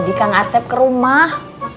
tadi kang atep kerumah